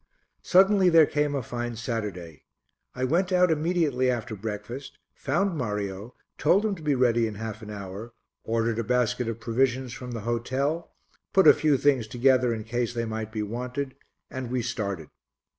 Suddenly there came a fine Saturday. I went out immediately after breakfast, found Mario, told him to be ready in half an hour, ordered a basket of provisions from the hotel, put a few things together in case they might be wanted, and we started.